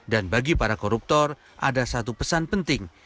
dan bagi para koruptor ada satu pesan penting